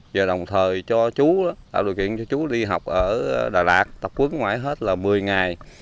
và đồng thời cho chú tạo điều kiện cho chú đi học ở đà lạt tập quấn ngoài hết là một mươi ngày